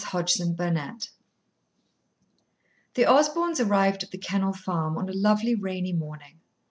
Chapter Eleven The Osborns arrived at The Kennel Farm on a lovely rainy morning.